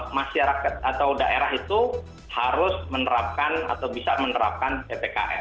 masyarakat atau daerah itu harus menerapkan atau bisa menerapkan ppkm